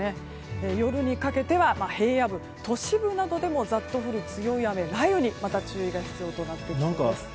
夜にかけては平野部、都市部などでもざっと降る強い雨雷雨に注意が必要になってきそうです。